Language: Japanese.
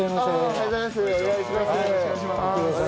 おはようございます。